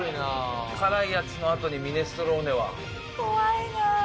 辛いやつのあとにミネストローネは。